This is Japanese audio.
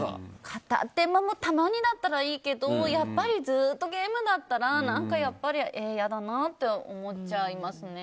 片手間もたまにだったらいいけどやっぱりずっとゲームだったら嫌だなって思っちゃいますね。